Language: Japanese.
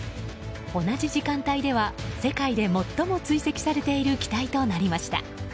同じ時間帯では、世界で最も追跡されている機体となりました。